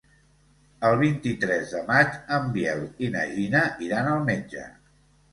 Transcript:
El vint-i-tres de maig en Biel i na Gina iran al metge.